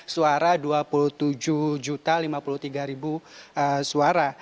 suara dua puluh tujuh lima puluh tiga suara